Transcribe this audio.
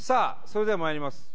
それではまいります